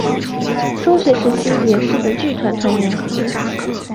中学时期也是的剧团团员。